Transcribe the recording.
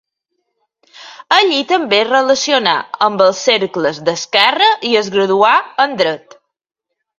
Allí també es relacionà amb els cercles d'esquerra i es graduà en dret.